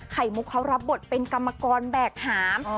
มุกเขารับบทเป็นกรรมกรแบกหาม